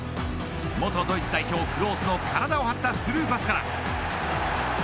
元ドイツ代表クロースの体を張ったスルーパスから。